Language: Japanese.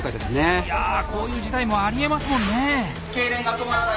いやこういう事態もありえますもんね。